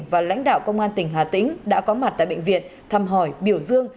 và lãnh đạo công an tỉnh hà tĩnh đã có mặt tại bệnh viện thăm hỏi biểu dương